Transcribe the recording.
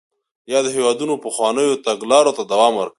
یادو هېوادونو پخوانیو تګلارو ته دوام ورکاوه.